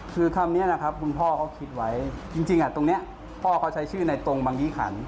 คือคำนี้นะครับคุณพ่อเขาคิดไว้จริงตรงนี้พ่อเขาใช้ชื่อในตรงบางยี่ขัน